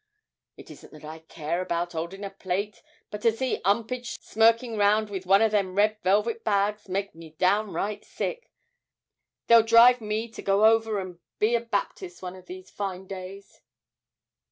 It isn't that I care about 'olding a plate, but to see 'Umpage smirking round with one of them red velvet bags makes me downright sick they'll drive me to go over and be a Baptist one of these fine days.'